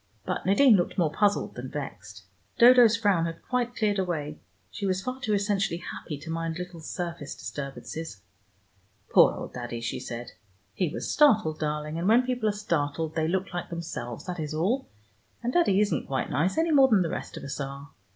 But Nadine looked more puzzled than vexed. Dodo's frown had quite cleared away. She was far too essentially happy to mind little surface disturbances. "Poor old Daddy," she said. "He was startled, darling, and when people are startled they look like themselves, that is all, and Daddy isn't quite nice, any more than the rest of us are.